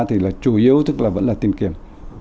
thì là chủ yếu tức là vẫn là tiền kiểm